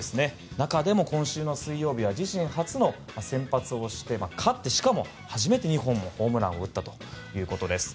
中でも今週水曜日は自身初の先発をして勝ってしかも初めて２本もホームランを打ったということです。